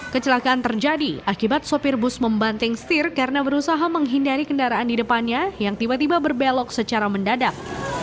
kecelakaan terjadi akibat sopir bus membanting setir karena berusaha menghindari kendaraan di depannya yang tiba tiba berbelok secara mendadak